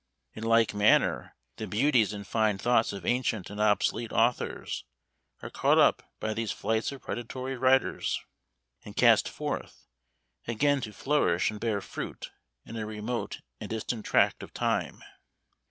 In like manner, the beauties and fine thoughts of ancient and obsolete authors are caught up by these flights of predatory writers, and cast forth, again to flourish and bear fruit in a remote and distant tract of time.